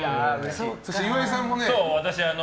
そして、岩井さんもね。